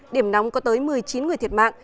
điểm nóng có tới một mươi chín người thiệt mạng